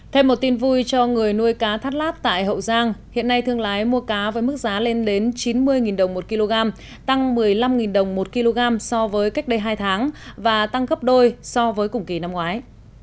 thêm một tin vui cho người nuôi cá thắt lát tại hậu giang hiện nay thương lái mua cá với mức giá lên đến chín mươi đồng một kg tăng một mươi năm đồng một kg so với cách đây hai tháng và tăng gấp đôi so với cùng kỳ năm ngoái